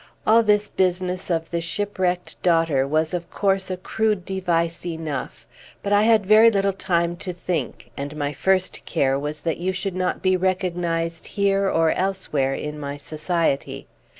All this business of the shipwrecked daughter was of course a crude device enough; but I had very little time to think, and my first care was that you should not be recognized here or elsewhere in my society.